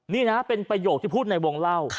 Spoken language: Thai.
นี่นะเป็นประโยคที่พูดในวงเล่า